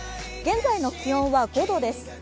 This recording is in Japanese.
現在の気温は５度です。